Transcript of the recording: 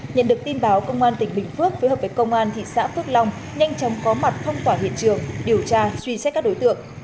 nhận được tin báo công an tỉnh bình phước phối hợp với công an thị xã phước long nhanh chóng có mặt phong quả hiện trường điều tra truy xét các đối tượng